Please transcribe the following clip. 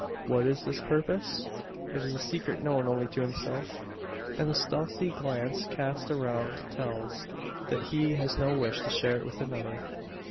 What is this purpose? It is a secret known only to himself; and the stealthy glance cast around tells, that he has no wish to share it with another.